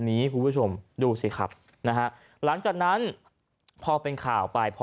คุณผู้ชมดูสิครับนะฮะหลังจากนั้นพอเป็นข่าวไปพอ